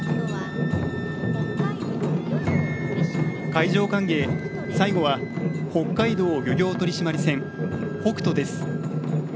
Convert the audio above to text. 海上歓迎、最後は北海道漁業取締船「ほくと」です。